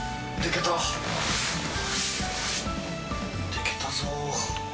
できたぞ。